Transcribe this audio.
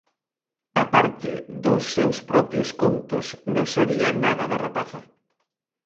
Á parte dos seus propios contos non sabía nada da rapaza.